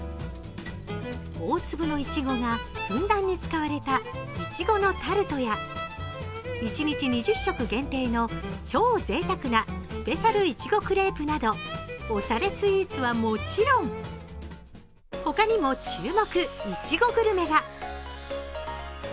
大粒いちごがふんだんに使われたいちごのタルトや一日２０食限定の超贅沢なスペシャルいちごクレープなど、おしゃれスイーツはもちろんほかにも注目いちごグルメが。